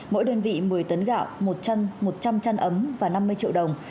mỗi đơn vị một mươi tấn gạo một chân một trăm linh chăn ấm và năm mươi triệu đồng